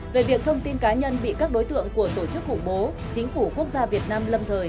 về việc thông tin cá nhân bị các đối tượng của tổ chức hủ bố chính phủ quốc gia việt nam lâm thời sử dụng